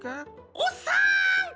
おっさん！